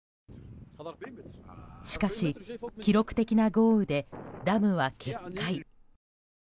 しかし記録的な豪雨でダムは決壊。